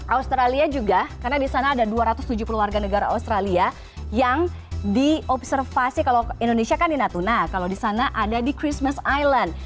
australia juga karena di sana ada dua ratus tujuh puluh warga negara australia yang diobservasi kalau indonesia kan di natuna kalau di sana ada di christmas island